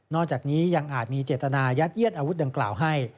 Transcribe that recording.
อกจากนี้ยังอาจมีเจตนายัดเยียดอาวุธดังกล่าวให้